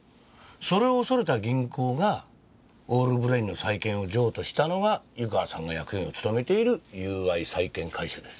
それを恐れた銀行がオールブレインの債権を譲渡したのが湯川さんが役員を務めている友愛債権回収です。